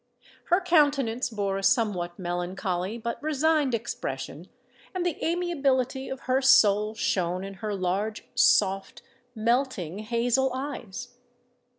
Her countenance bore a somewhat melancholy but resigned expression; and the amiability of her soul shone in her large, soft, melting hazel eyes.